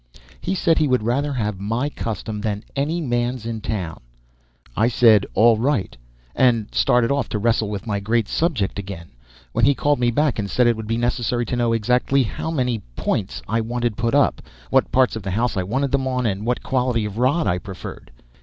He said he would rather have my custom than any man's in town. I said, "All right," and started off to wrestle with my great subject again, when he called me back and said it would be necessary to know exactly how many "points" I wanted put up, what parts of the house I wanted them on, and what quality of rod I preferred.